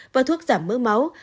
và thuốc giảm mỡ máu